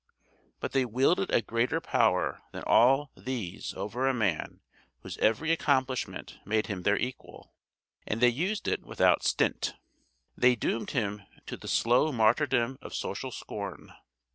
But they wielded a greater power than all these over a man whose every accomplishment made him their equal, and they used it without stint. They doomed him to the slow martyrdom of social scorn.